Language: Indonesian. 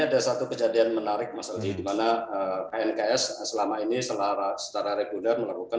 ada satu kejadian menarik masalahnya dimana nks selama ini selara setara regular melakukan